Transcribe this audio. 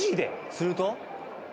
「すると？」